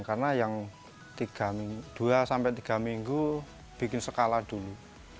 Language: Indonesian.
karena yang dua tiga minggu bikin skala dulu